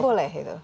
oh jadi boleh itu